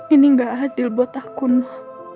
ini gak adil buat aku nino